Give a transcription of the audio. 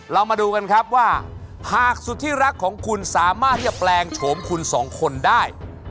เรามาดูกันครับว่าหากสุดที่รักของคุณสามารถที่จะแปลงโฉมคุณสองคนได้